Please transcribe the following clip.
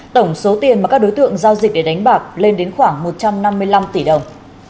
tổng số tiền mà các đối tượng giao dịch để đánh bạc lên đến khoảng một trăm năm mươi năm tỷ đồng